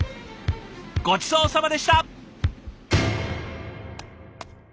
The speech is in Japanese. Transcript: ごちそうさまでした！